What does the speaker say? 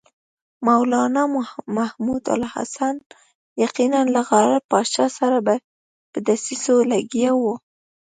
مولنا محمود الحسن یقیناً له غالب پاشا سره په دسیسو لګیا وو.